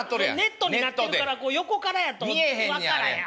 ネットになっとるから横からやと分からへんな